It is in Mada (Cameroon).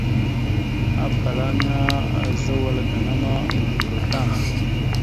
Afalaŋa azza wal gaŋa ma nodoró tam.